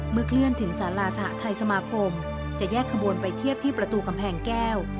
เคลื่อนถึงสาราสหทัยสมาคมจะแยกขบวนไปเทียบที่ประตูกำแพงแก้ว